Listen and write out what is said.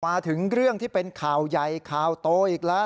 มาถึงเรื่องที่เป็นข่าวใหญ่ข่าวโตอีกแล้ว